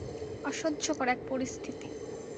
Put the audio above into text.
অসহ্যকর এক পরিস্থিতি।